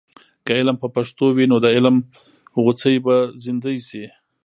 که علم په پښتو وي، نو د علم غوڅۍ به زندې سي.